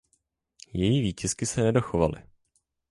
Její výtisky se nedochovaly.